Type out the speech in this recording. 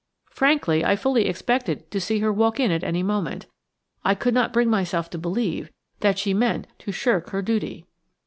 Frankly, I fully expected to see her walk in at any moment. I could not bring myself to believe that she meant to shirk her duty.